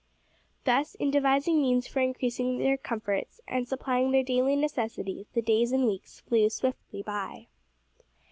Thus, in devising means for increasing their comforts, and supplying their daily necessities, the days and weeks flew swiftly by.